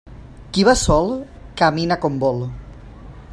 Qui va sol, camina com vol.